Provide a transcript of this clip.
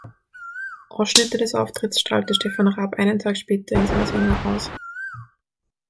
Ausschnitte des Auftritts strahlte Stefan Raab einen Tag später in seiner Sendung aus.